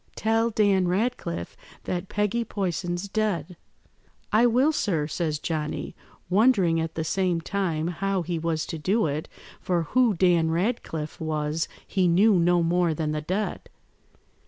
Tell Dan Ratcliffe that Peggy Poyson's dead.' "'I will, sir,' says Johnny, wondering at the same time how he was to do it, for who Dan Ratcliffe was he knew no more than the dead.